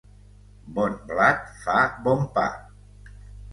Bon blat fa bon pa.